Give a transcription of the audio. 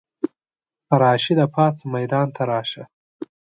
راشده پاڅه ميدان ته راشه!